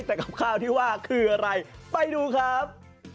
แต่กับข้าวที่ว่าคืออะไรไปดูครับ